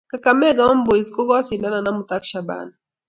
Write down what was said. Kakamega homeboys ko kokisindanan amut ak Shabana